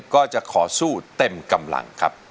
ก็จะขอสู้เต็มกำลังครับ